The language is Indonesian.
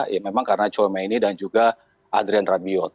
ya memang karena colma ini dan juga adrian rabiot